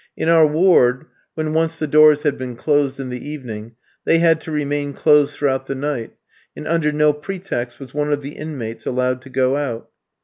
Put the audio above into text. In our ward, when once the doors had been closed in the evening, they had to remain closed throughout the night, and under no pretext was one of the inmates allowed to go out.